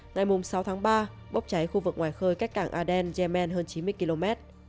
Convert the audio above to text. ngày sáu tháng ba bốc cháy khu vực ngoài khơi cách cảng aden yemen hơn chín mươi km